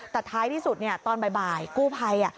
แต่ท้ายที่สุดตอนบ่ายกู้ภัย